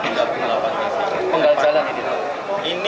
penggal jalan ini